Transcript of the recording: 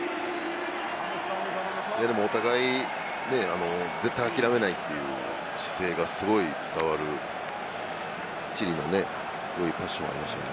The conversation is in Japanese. お互いね、絶対諦めないという姿勢がすごい伝わるチリのパッションがありましたね。